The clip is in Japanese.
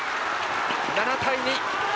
７対２！